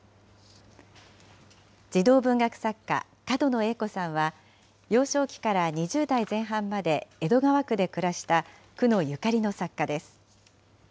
児童文学作家、角野栄子さんは、幼少期から２０代前半まで江戸川区で暮らした区のゆかりの作家です。